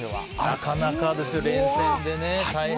なかなかですよ、連戦で大変。